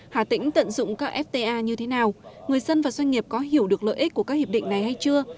hà tĩnh tận dụng các fta như thế nào người dân và doanh nghiệp có hiểu được lợi ích của các hiệp định này hay chưa